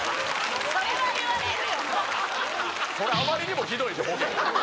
それ、あまりにもひどいボケ。